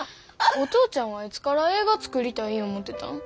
お父ちゃんはいつから映画作りたい思うてたん？